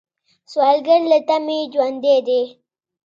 سوالګر له تمې ژوندی دی